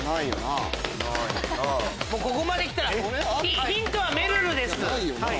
ここまできたらヒントはめるるです。